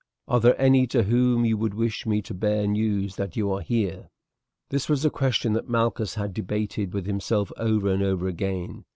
"Are there any to whom you would wish me to bear news that you are here?" This was a question which Malchus had debated with himself over and over again.